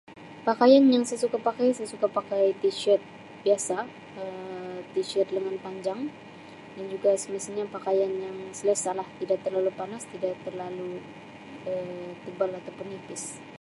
Pakaian yang saya suka pakai saya suka pakai t-shirt biasa Um t-shirt lengan panjang dan juga semestinya pakaian yang selesalah tidak terlalu panas, tidak terlalu Um tebal atau pun nipis.